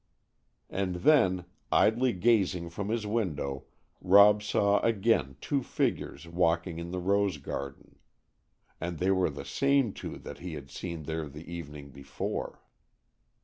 And then, idly gazing from his window Rob saw again two figures walking in the rose garden. And they were the same two that he had seen there the evening before.